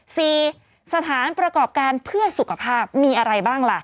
สถานประกอบการเพื่อสุขภาพมีอะไรบ้างล่ะ